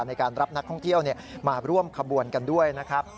ในการรับนักท่องเที่ยวมาร่วมขบวนกันด้วยนะครับ